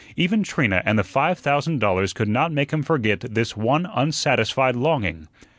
Even Trina and the five thousand dollars could not make him forget this one unsatisfied longing.